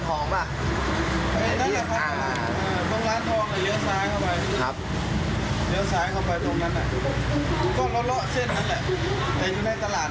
ก็เป็นแผงที่มีทางข้าง